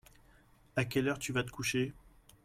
À quelle heure tu vas te coucher ?